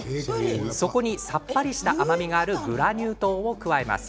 そこに、さっぱりした甘みがあるグラニュー糖を加えます。